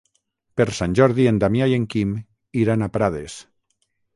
Per Sant Jordi en Damià i en Quim iran a Prades.